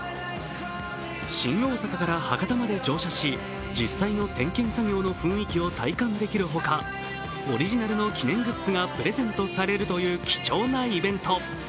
新大阪から博多まで乗車し、実際の点検作業の雰囲気を体感できるほかオリジナルの記念グッズがプレゼントされるという貴重なイベント。